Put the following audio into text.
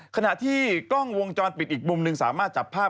ขณะที่กล้องวงจรปิดอีกมุมหนึ่งสามารถจับภาพ